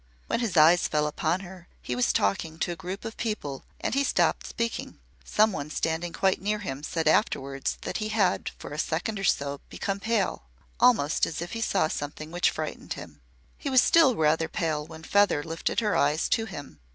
When his eyes fell upon her, he was talking to a group of people and he stopped speaking. Some one standing quite near him said afterwards that he had, for a second or so, became pale almost as if he saw something which frightened him. He was still rather pale when Feather lifted her eyes to him.